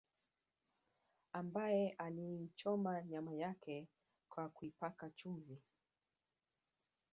Ambaye aliichoma nyama yake kwa kuipaka chumvi